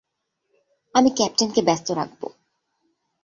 আমি ক্যাপ্টেনকে ব্যস্ত রাখব।